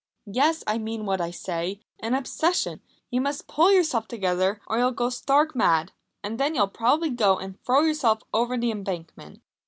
"Yes, I mean what I say an obsession! You must pull yourself together or you'll go stark mad, and then you'll probably go and throw yourself over the Embankment.